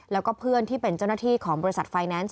แล้วก็เพื่อนที่เป็นเจ้าหน้าที่ของบริษัทไฟแนนซ์